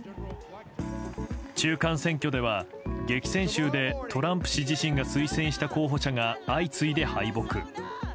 中間選挙では激戦州でトランプ氏自身が推薦した候補者がが相次いで敗北。